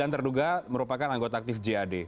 sembilan terduga merupakan anggota aktif jad